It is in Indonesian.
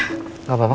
star ya oke okelah